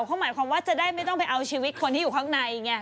เขาหมายความว่าจะได้ไม่ต้องไปเอาชีวิตคนที่อยู่ข้างในไง